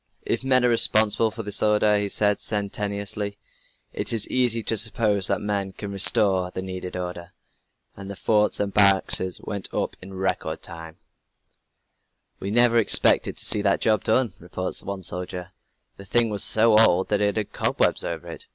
"If men are responsible for this disorder," he said sententiously, "it is easy to suppose that men can restore the needed order." And the forts and barracks went up in record time. "We never expected to see that job done," reports one soldier. "The thing was so old that it had cobwebs over it.